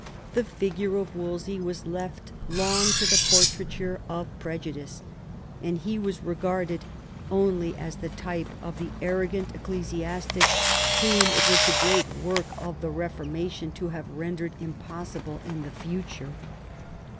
The p 210 THOMAS WOLSEY chap, x figure of Wolsey was long left to the portraiture of prejudice, and he was regarded only as the type of the arrogant ecclesiastic whom it was the great work of the Reformation to have rendered impossible in the future.